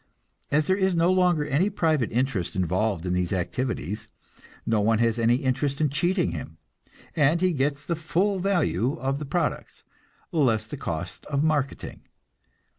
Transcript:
As there is no longer any private interest involved in these activities, no one has any interest in cheating him, and he gets the full value of the products, less the cost of marketing.